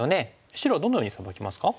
白はどのようにサバきますか？